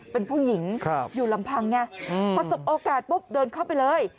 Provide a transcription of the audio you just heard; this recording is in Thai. เป็นผู้หญิงอยู่ลำพังไงพอสบโอกาสปุ๊บเดินเข้าไปเลย